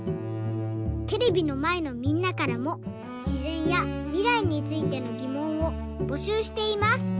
テレビのまえのみんなからもしぜんやみらいについてのぎもんをぼしゅうしています。